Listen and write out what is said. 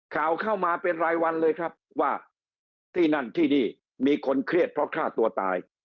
ข่าวเข้ามาเป็นรายวันเลยครับว่าที่นั่นที่นี่มีคนเครียดเพราะฆ่าตัวตาย